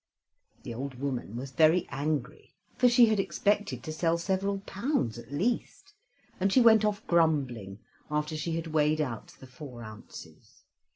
The old woman was very angry, for she had expected to sell several pounds, at least; and she went off grumbling, after she had weighed out the four ounces.